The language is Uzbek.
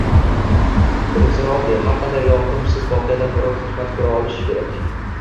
Buning siri oddiy: har qanday yoqimsiz voqeadan biror hikmat ko‘ra bilish kerak.